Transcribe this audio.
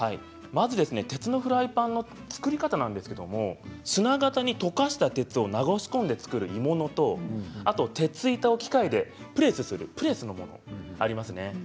鉄のフライパンの作り方なんですが砂型に溶かした鉄を流し込んで作る鋳物と鉄の板を機械でプレスして作るプレス型があります。